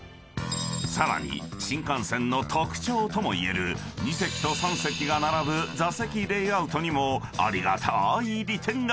［さらに新幹線の特徴ともいえる２席と３席が並ぶ座席レイアウトにもありがたい利点が］